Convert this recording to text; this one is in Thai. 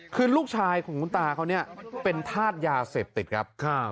คือลูกชายของคุณตาเขาเนี่ยเป็นธาตุยาเสพติดครับ